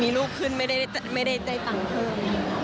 มีลูกขึ้นไม่ได้ได้ตังค์เพิ่ม